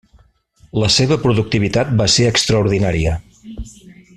La seva productivitat va ser extraordinària.